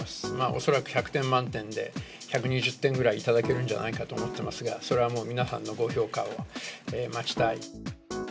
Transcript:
恐らく１００点満点で、１２０点ぐらい頂けるんじゃないかと思ってますが、それはもう皆さんのご評価を待ちたい。